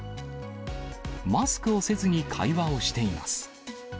マスクをせずに会話をしています。